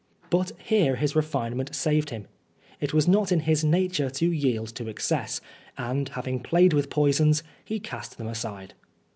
But here his refinement saved him. It was not in his nature to yield to excess, and having played with poisons, he cast them aside.